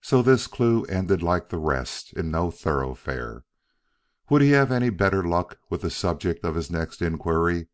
So this clue ended like the rest in no thoroughfare. Would he have any better luck with the subject of his next inquiry?